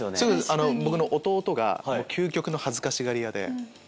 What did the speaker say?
僕の弟が究極の恥ずかしがり屋で。